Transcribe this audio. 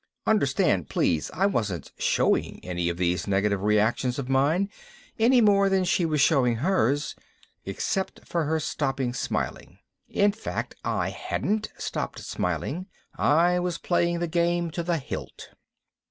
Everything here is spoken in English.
Understand, please, I wasn't showing any of these negative reactions of mine any more than she was showing hers, except for her stopping smiling. In fact I hadn't stopped smiling, I was playing the game to the hilt.